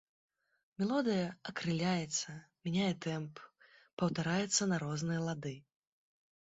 Мелодыя акрыляецца, мяняе тэмп, паўтараецца на розныя лады.